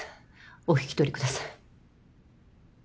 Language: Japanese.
お引き取りください。